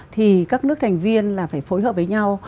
thì các nước thành viên là phải phối hợp với nhau